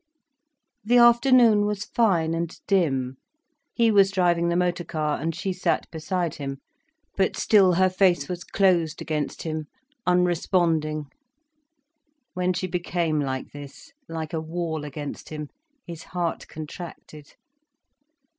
The afternoon was fine and dim. He was driving the motor car, and she sat beside him. But still her face was closed against him, unresponding. When she became like this, like a wall against him, his heart contracted.